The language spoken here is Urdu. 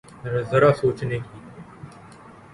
ذرا سوچنے کی۔